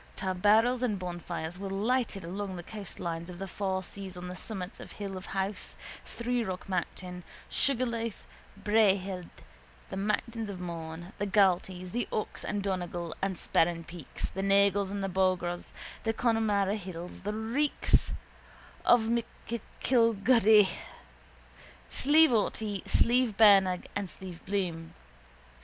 Tarbarrels and bonfires were lighted along the coastline of the four seas on the summits of the Hill of Howth, Three Rock Mountain, Sugarloaf, Bray Head, the mountains of Mourne, the Galtees, the Ox and Donegal and Sperrin peaks, the Nagles and the Bograghs, the Connemara hills, the reeks of M'Gillicuddy, Slieve Aughty, Slieve Bernagh and Slieve Bloom.